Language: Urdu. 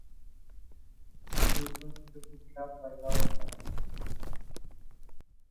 اس موقع سے وہ کیا فائدہ اٹھاتا ہے۔